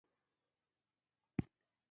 د بولان پټي د افغانستان یوه طبیعي ځانګړتیا ده.